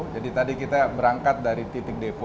jadi tadi kita berangkat dari titik depo